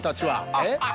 えっ？